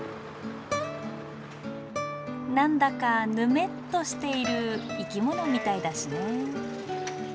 何だかヌメッとしている生き物みたいだしね。